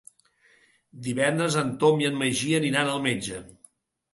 Divendres en Tom i en Magí aniran al metge.